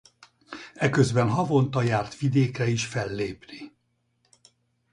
Eközben havonta járt vidékre is fellépni.